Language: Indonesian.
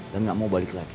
dan gak mau balik lagi